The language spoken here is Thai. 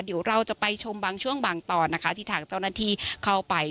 เดี๋ยวเราจะไปชมบางช่วงบางตอนนะคะที่ทางเจ้าหน้าที่เข้าไป